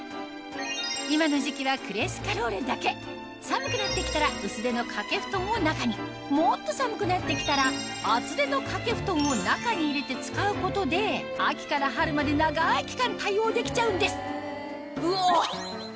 今の時期はクレスカローレだけ寒くなって来たら薄手の掛け布団を中にもっと寒くなって来たら厚手の掛け布団を中に入れて使うことで秋から春まで長い期間対応できちゃうんですうわっ！